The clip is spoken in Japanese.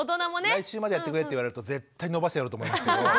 「来週までやってくれ」って言われると絶対延ばしてやろうと思いますけど。